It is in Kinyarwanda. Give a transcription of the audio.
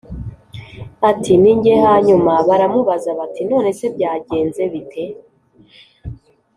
ati ni jye Hanyuma baramubaza bati none se byagenze bite